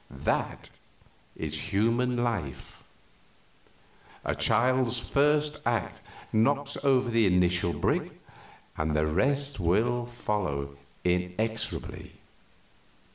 That is human life. A child's first act knocks over the initial brick, and the rest will follow inexorably.